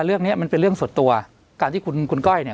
เรื่องเนี้ยมันเป็นเรื่องส่วนตัวการที่คุณคุณก้อยเนี่ย